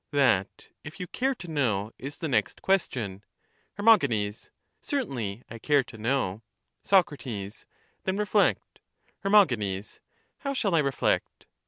That, if you care to know, is the next question. Her. Certainly, I care to know, Soc. Then reflect. Her. How shall I reflect?